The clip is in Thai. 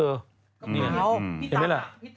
พี่ตั๊ก